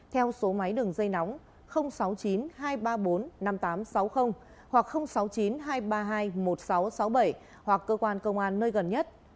theo số máy đường dây nóng sáu mươi chín hai trăm ba mươi bốn năm nghìn tám trăm sáu mươi hoặc sáu mươi chín hai trăm ba mươi hai một nghìn sáu trăm sáu mươi bảy hoặc cơ quan công an nơi gần nhất